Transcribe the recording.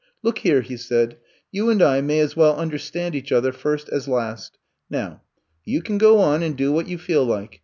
Look here,*' he said^ *^you and I may as well understand each other first as last. Now you can go on and do what you feel like.